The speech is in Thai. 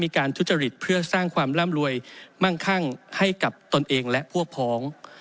การทุจริตเพื่อสร้างความร่ำรวยมั่งคั่งให้กับตนเองและพวกพ้อง